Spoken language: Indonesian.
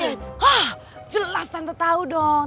wah jelas tante tahu dong